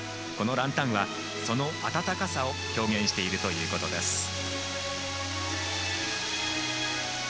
このランタンは、その温かさを表現しているということです。